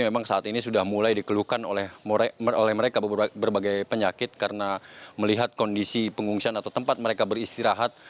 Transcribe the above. memang saat ini sudah mulai dikeluhkan oleh mereka berbagai penyakit karena melihat kondisi pengungsian atau tempat mereka beristirahat